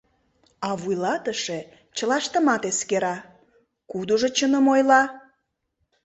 А вуйлатыше чылаштымат эскера: кудыжо чыным ойла?